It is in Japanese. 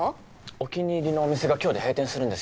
お気に入りのお店が今日で閉店するんですよ。